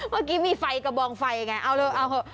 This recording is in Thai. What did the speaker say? เมื่อกี้มีไฟกระบองไฟไงเอาเถอะ